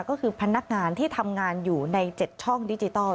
ก็คือพนักงานที่ทำงานอยู่ใน๗ช่องดิจิทัล